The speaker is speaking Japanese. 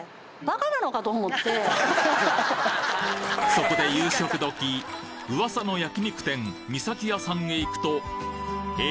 そこで夕食時噂の焼肉店みさき屋さんへ行くとえ？